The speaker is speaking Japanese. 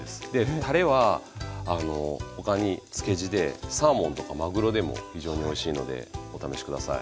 たれはあの他に漬け地でサーモンとかまぐろでも非常においしいのでお試し下さい。